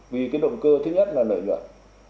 vì cái động cơ thứ nhất là lợi nhuận